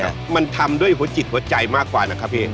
แค่นั้นเองครับมันทำด้วยหัวจิตหัวใจมากกว่านะครับพี่